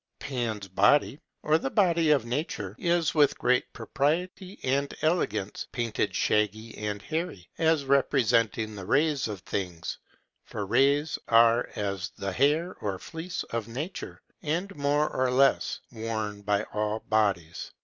Pan's body, or the body of nature, is, with great propriety and elegance, painted shaggy and hairy, as representing the rays of things; for rays are as the hair or fleece of nature, and more or less worn by all bodies.